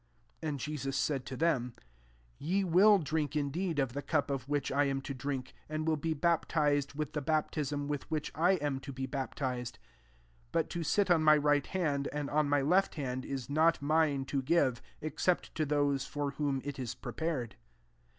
And Jesus said to. them, " Ye will drink in deed of the cup of which I am to drink ; and will be baptized with the baptism with which I am to be baptia^ : 40 but, to sit on my right hand, and on my left hand, is not mine to give, except to those for whom it is prepared."